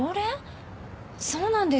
そうなんですか？